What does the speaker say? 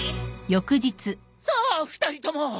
さあ二人とも！